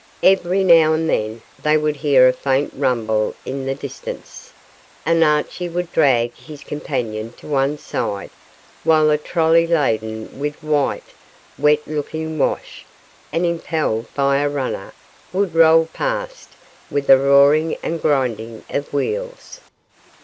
Every now and then they would hear a faint rumble in the distance, and Archie would drag his companion to one side while a trolly laden with white, wet looking wash, and impelled by a runner, would roll past with a roaring and grinding of wheels.